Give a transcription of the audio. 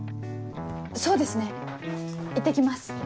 そうですねいってきます。